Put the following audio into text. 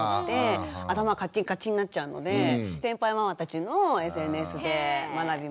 頭カッチンカチンになっちゃうので先輩ママたちのＳＮＳで学びました。